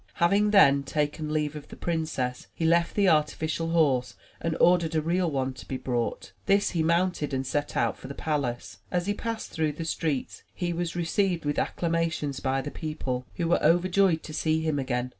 Having then taken leave of the princess, he left the artificial horse and ordered a real one to be brought. This he mounted and set out for the palace. As he passed through the streets he was received with acclamations by the people, who were overjoyed to see him again.